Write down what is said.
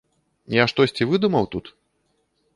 Я штосьці выдумаў тут?